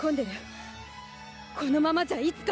このままじゃいつか。